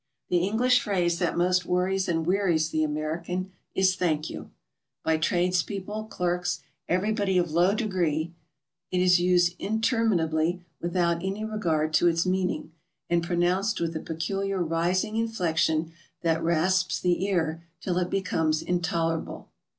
The English phrase that most worries and wearies the American is "Thank you." By tradespeople, clerks, every body of low degree it is used interminably, without any re gard to its meaning, and pronounced with a peculiar rising inflection that rasps the ear till it becomes intolerable.